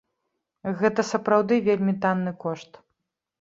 Гэта сапраўды вельмі танны кошт.